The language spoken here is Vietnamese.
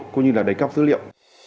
cũng như là đánh cắp dữ liệu